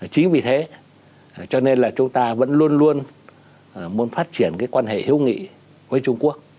chính vì thế cho nên là chúng ta vẫn luôn luôn phát triển cái quan hệ hữu nghị với trung quốc